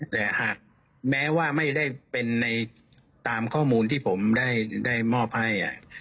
แต่หากแม้ว่าไม่ได้เป็นในตามข้อมูลที่ผมได้มอบให้